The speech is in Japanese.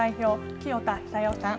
清田悠代さん。